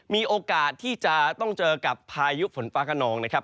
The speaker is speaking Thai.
มีโอกาสที่จะต้องเจอกับพายุฝนฟ้าขนองนะครับ